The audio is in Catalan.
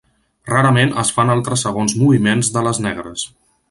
Rarament es fan altres segons moviments de les negres.